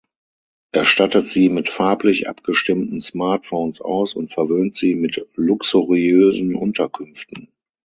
Er stattet sie mit farblich abgestimmten Smartphones aus und verwöhnt sie mit luxuriösen Unterkünften.